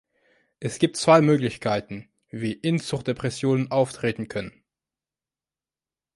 Es gibt zwei Möglichkeiten, wie Inzuchtdepressionen auftreten können.